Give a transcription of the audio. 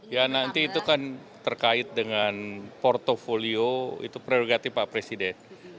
ya nanti itu kan terkait dengan portfolio itu prerogatif pak presiden